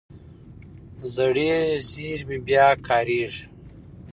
زړې زېرمې بیا کارېږي.